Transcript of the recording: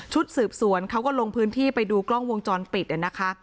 สืบสวนเขาก็ลงพื้นที่ไปดูกล้องวงจรปิดนะคะ